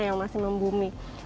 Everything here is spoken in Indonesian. yang masih membumi